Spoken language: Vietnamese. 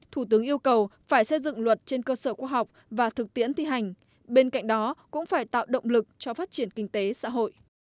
thủ tướng yêu cầu phải xây dựng luật trên cơ sở khoa học và thực tiễn thi hành bên cạnh đó cũng phải tạo động lực cho phát triển kinh tế xã hội